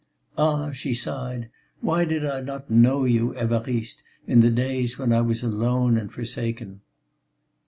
"Ah!" she sighed, "why did I not know you, Évariste, in the days when I was alone and forsaken?"